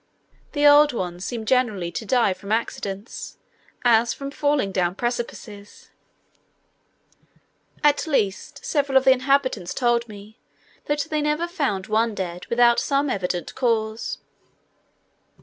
The old ones seem generally to die from accidents, as from falling down precipices: at least, several of the inhabitants told me, that they never found one dead without some evident cause.